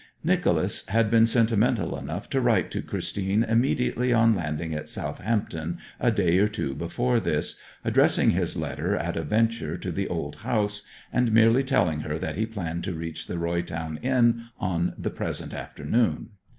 Nicholas had been sentimental enough to write to Christine immediately on landing at Southampton a day or two before this, addressing his letter at a venture to the old house, and merely telling her that he planned to reach the Roy Town inn on the present afternoon.